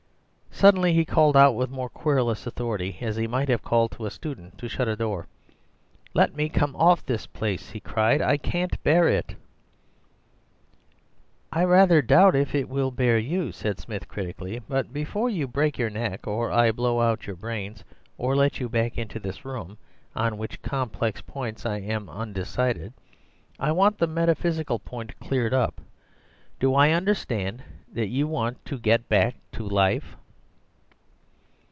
"Suddenly he called out with mere querulous authority, as he might have called to a student to shut a door. "'Let me come off this place,' he cried; 'I can't bear it.' "'I rather doubt if it will bear you,' said Smith critically; 'but before you break your neck, or I blow out your brains, or let you back into this room (on which complex points I am undecided) I want the metaphysical point cleared up. Do I understand that you want to get back to life?